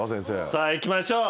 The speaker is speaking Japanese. さあいきましょう！